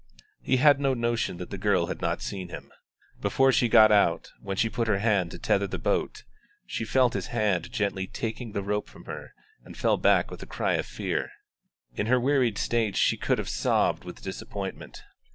He had no notion that the girl had not seen him. Before she got out, when she put her hand to tether the boat, she felt his hand gently taking the rope from her and fell back with a cry of fear. In her wearied state she could have sobbed with disappointment.